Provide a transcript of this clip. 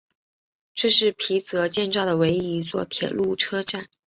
这是皮泽建造的唯一一座铁路车站。